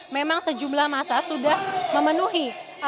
memang sejumlah masa sudah memenuhi